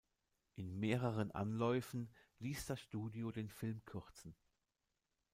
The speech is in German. In mehreren Anläufen ließ das Studio den Film kürzen.